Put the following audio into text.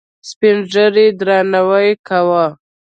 سپین ږیرو یې درناوی کاوه.